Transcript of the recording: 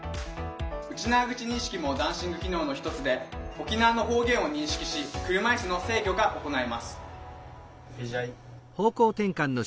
うちなーぐち認識もダンシング機能の一つで沖縄の方言を認識し車いすの制御が行えます。